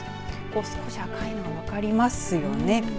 こう、少し赤いの分かりますよね。